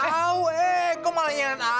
kau eh kok malah nyanyi aja